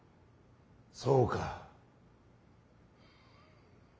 そうか。